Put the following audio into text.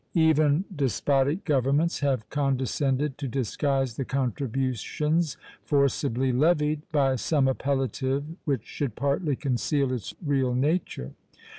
Even despotic governments have condescended to disguise the contributions forcibly levied, by some appellative which should partly conceal its real nature.